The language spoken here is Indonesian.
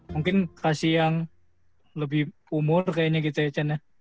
mungkin kasih yang lebih umur kayaknya gitu ya